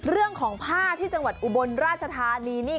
เรื่องของผ้าที่จังหวัดอุบลราชธานีนี่